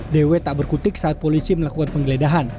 dw tak berkutik saat polisi melakukan penggeledahan